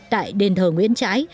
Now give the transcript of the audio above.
tại đền thờ nguyễn trãi